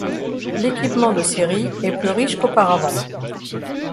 L'équipement de série est plus riche qu'auparavant.